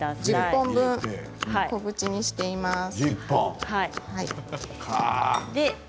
１０本分、小口にしています。